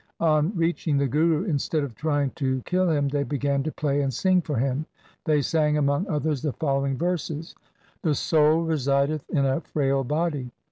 On reaching the Guru instead of trying to kill him they began to play and sing for him. They sang among others the following verses :— The soul resideth in a frail body.